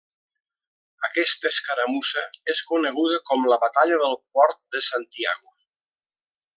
Aquesta escaramussa és coneguda com la batalla del Port de Santiago.